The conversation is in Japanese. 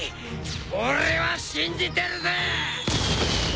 俺は信じてるぜ！